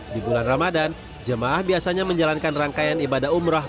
di bulan ramadan jemaah biasanya menjalankan rangkaian ibadah umroh